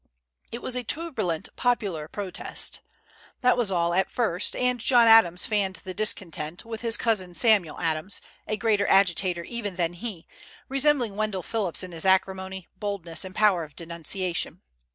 It was a turbulent popular protest. That was all, at first, and John Adams fanned the discontent, with his cousin, Samuel Adams, a greater agitator even than he, resembling Wendell Phillips in his acrimony, boldness, and power of denunciation.